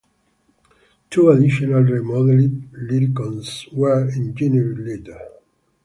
Two additional re-modelled Lyricons were engineered later.